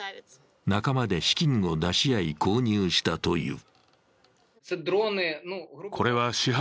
仲間で資金を出し合い、購入したという。